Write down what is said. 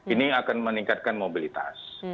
ini akan meningkatkan mobilitas